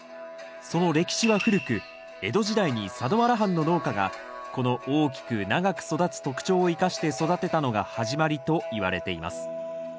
その歴史は古く江戸時代に佐土原藩の農家がこの大きく長く育つ特徴を生かして育てたのが始まりといわれています。